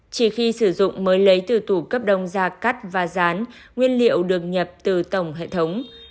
chỉ khi sử dụng mới lấy từ tủ cấp đông ra cắt và rán nguyên liệu được nhập từ tổng hệ thống